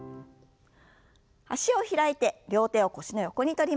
脚を開いて両手を腰の横に取りましょう。